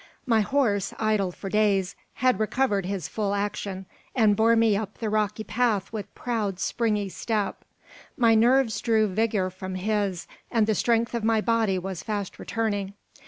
My horse, idle for days, had recovered his full action, and bore me up the rocky path with proud, springy step. My nerves drew vigour from his, and the strength of my body was fast returning.